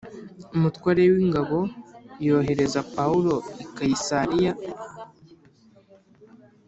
Umutware w ingabo yohereza Pawulo i Kayisariya